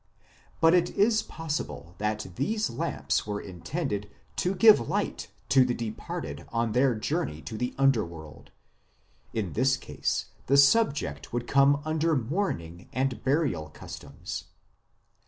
But it is possible that these lamps were intended to give light to the departed on their journey to the under world ; in this case the subject would come under Mourn ing and Burial Customs.